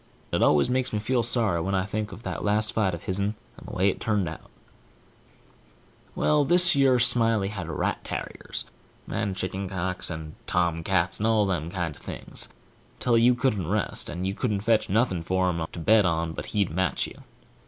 It always makes me feel sorry when I think of that last fight of his'n, and the way it turned out. Well, thish yer Smiley had rat tarriers, and chicken cocks, and tomcats, and all them kind of things, till you couldn't rest, and you couldn't fetch nothing for him to bet on but he'd match you.